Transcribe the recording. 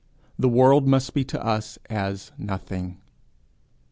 The world must be to us as nothing.